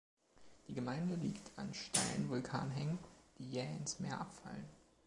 Die Gemeinde liegt an steilen Vulkanhängen, die jäh ins Meer abfallen.